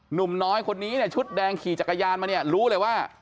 หนุ่มน้อยคนนี้ชุดแดงขี่จักรยานมารู้เลยว่า